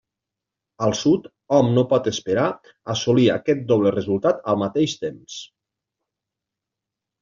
Al Sud hom no pot esperar assolir aquest doble resultat al mateix temps.